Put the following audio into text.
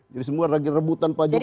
jadi semua lagi rebutan pak jokowi